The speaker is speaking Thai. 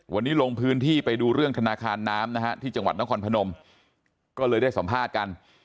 วันนี้ลงพื้นที่ไปดูเรื่องธนาคารน้ำนะฮะที่จังหวัดนครพนมก็เลยได้สัมภาษณ์กัน